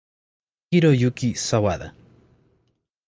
Hiroyuki Sawada